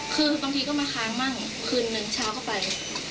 คือบางทีก็มาค้างมั่งคืนนึงเช้าก็ไป